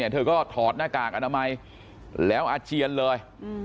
เธอก็ถอดหน้ากากอนามัยแล้วอาเจียนเลย